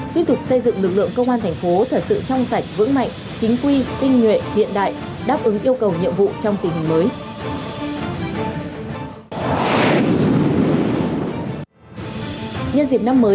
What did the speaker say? tiếp tục xây dựng lực lượng công an thành phố thật sự trong sạch vững mạnh chính quy tinh nguyện hiện đại đáp ứng yêu cầu nhiệm vụ trong tình hình mới